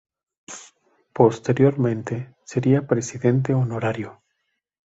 Posteriormente sería presidente honorario.